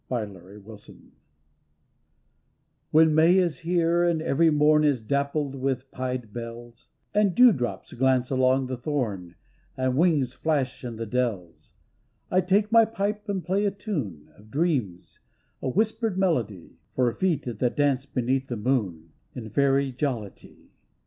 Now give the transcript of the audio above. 257 CEOL SIDHEi When May is here, and every mom Is dappled with pied bells, And dewdrops glance along the thorn And wings flash in the dells, I take my pipe and play a tune Of dreams, a whispered melody, For feet that dance beneath the moon In fairy jollity.